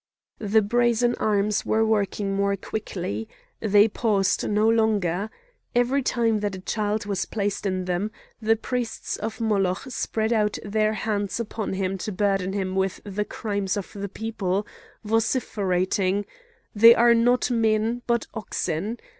The brazen arms were working more quickly. They paused no longer. Every time that a child was placed in them the priests of Moloch spread out their hands upon him to burden him with the crimes of the people, vociferating: "They are not men but oxen!"